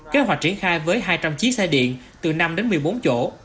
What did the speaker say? kế hoạch triển khai với hai trăm linh chiếc xe điện từ năm đến một mươi bốn chỗ